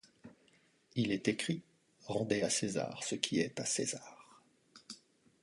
Il est écrit: « rendez à César ce qui est à César.